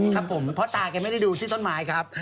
ครับผมเพราะตาแกไม่ได้ดูที่ต้นไม้ครับ